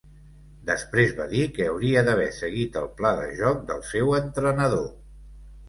Després va dir que hauria d'haver seguit el pla de joc del seu entrenador.